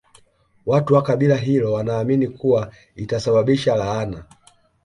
Watu wa kabila hilo wanaamini kuwa itasababisha laana